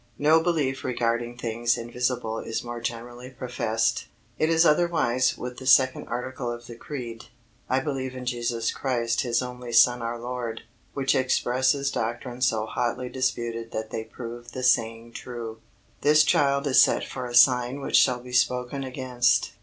No belief regarding things invisible is more generally professed. It is otherwise with the second article of the Creed, "I believe in Jesus Christ His only Son our Lord," which expresses doctrines so hotly disputed that they prove the saying true, "This child is set for a sign which shall be spoken against."